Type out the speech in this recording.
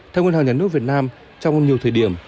theo ngân hàng nhà nước việt nam trong nhiều thời điểm